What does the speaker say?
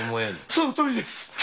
そのとおりで。